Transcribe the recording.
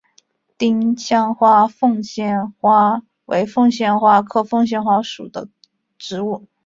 丁香色凤仙花为凤仙花科凤仙花属的植物。